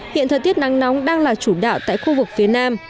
hiện thời tiết nắng nóng đang là chủ đạo tại khu vực phía nam